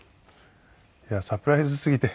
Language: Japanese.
いやサプライズすぎて。